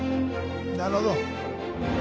なるほど。